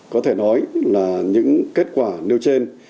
có thể nói là những kết quả nêu trên